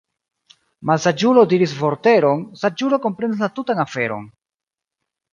Malsaĝulo diris vorteron, saĝulo komprenas la tutan aferon.